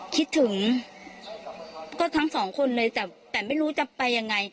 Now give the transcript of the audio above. คิดถึงก็ทั้งสองคนเลยแต่ไม่รู้จะไปยังไง